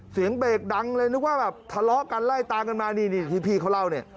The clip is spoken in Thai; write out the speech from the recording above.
เสียงเบรกดังเลยนึกว่าแบบทะเลาะกันไล่ตามกันมานี่นี่ที่พี่เขาเล่าเนี่ย